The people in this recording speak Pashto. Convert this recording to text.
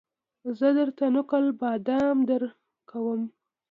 زه درته نقل بادام درکوم